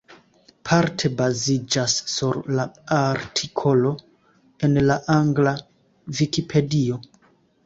Parte baziĝas sur la artikolo en la angla Vikipedio.